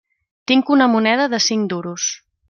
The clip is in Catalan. Tinc una moneda de cinc duros.